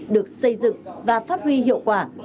được xây dựng và phát huy hiệu quả